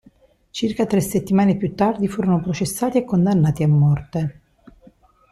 Circa tre settimane più tardi furono processati e condannati a morte.